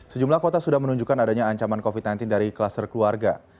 sejumlah kota sudah menunjukkan adanya ancaman covid sembilan belas dari kluster keluarga